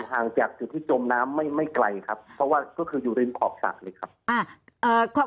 อยู่ห่างจากอยู่ที่จมน้ำไม่ไกลครับเพราะว่าก็คืออยู่ในขอบสระเลยครับ